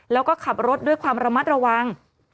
แล้วก็ขับรถด้วยความระมัดระวัง